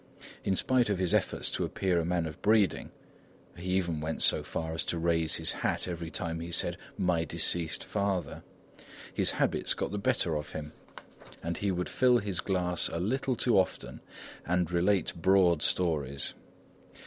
In spite of his efforts to appear a man of breeding (he even went so far as to raise his hat every time he said "My deceased father"), his habits got the better of him, and he would fill his glass a little too often and relate broad stories.